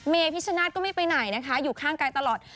พิชชนาธิ์ก็ไม่ไปไหนนะคะอยู่ข้างกายตลอด